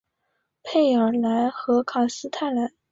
佩尔莱和卡斯泰莱。